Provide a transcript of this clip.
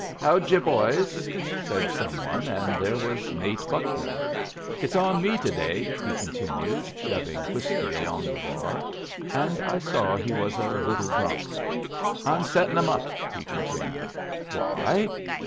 "How d'ye, boys?" said some one, and there was Nate Buckner. "It's on me to day," he continued, shoving whiskey along the bar; and I saw he was a little drunk. "I'm setting 'em up," he continued. "Why?